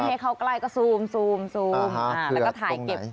ให้เข้าใกล้ก็ซูมแล้วก็ถ่ายเก็บ